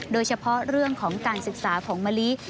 โดยเฉพาะเรื่องของการศึกษาผงมะลิ